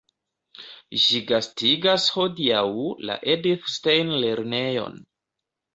Ĝi gastigas hodiaŭ la Edith-Stein-lernejon.